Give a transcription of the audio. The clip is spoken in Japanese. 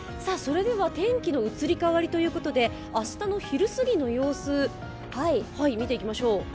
天気の移り変わりということで、明日の昼過ぎの様子見ていきましょう。